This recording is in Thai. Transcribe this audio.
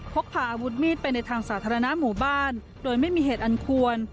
พกพาอาวุธมีดไปในทางสาธารณะหมู่บ้านโดยไม่มีเหตุอันควร